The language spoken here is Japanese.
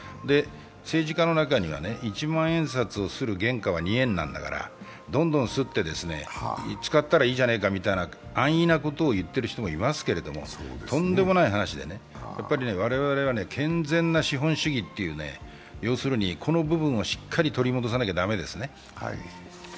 政治家の中には一万円札を刷る原価は２円なんだからどんどん刷って使ったらいいじゃないかみたいな安易なことを言っている人もいますけれども、とんでもない話で、我々は健全な資本主義という、この部分をしっかり取り戻さないとだめですね。